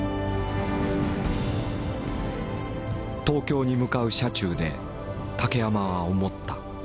東京に向かう車中で竹山は思った。